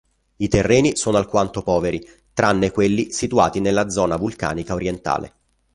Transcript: I terreni sono alquanto poveri, tranne quelli situati nella zona vulcanica orientale.